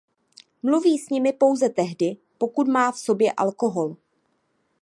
Mluví s nimi pouze tehdy pokud má v sobě alkohol.